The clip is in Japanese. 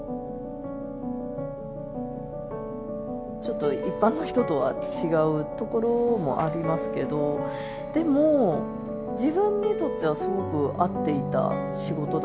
ちょっと一般の人とは違うところもありますけどでも自分にとってはすごく合っていた仕事だったので。